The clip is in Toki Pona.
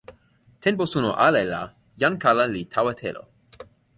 tenpo suno ale la, jan kala li tawa telo.